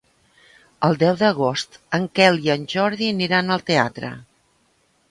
El deu d'agost en Quel i en Jordi aniran al teatre.